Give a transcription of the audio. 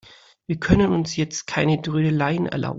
Wir können uns jetzt keine Trödeleien erlauben.